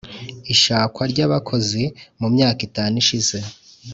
ishakwa ry abakozi mu myaka itanu ishize